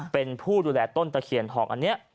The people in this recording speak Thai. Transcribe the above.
เป็นผู้ดูแลต้นตะเคียนทองอันนี้